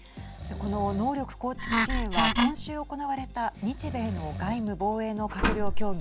この能力構築支援は今週行われた日米の外務・防衛の閣僚協議